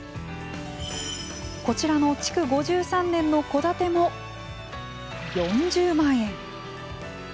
こちらの築５３年の戸建ても４０万円。